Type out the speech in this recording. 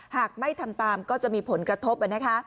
หากไม่ทำตามก็จะมีผลกระทบ